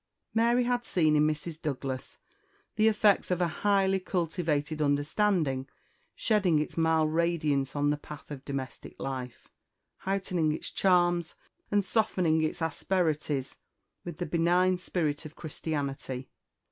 "' Mary had seen in Mrs. Douglas the effects of a highly cultivated understanding shedding its mild radiance on the path of domestic life, heightening its charms, and softening its asperities, with the benign spirit of Christianity.